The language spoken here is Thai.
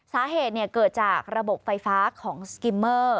สาเหตุเกิดจากระบบไฟฟ้าของสกิมเมอร์